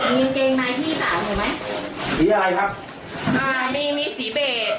สีอะไรครับ